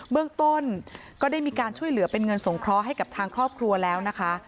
เบื้องต้นก็ได้มีการช่วยเหลือเป็นเงินสงเคราะห์ให้กับทางครอบครัวแล้วนะคะ